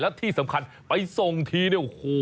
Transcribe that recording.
แล้วที่สำคัญไปส่งทีเนี่ยโอ้โห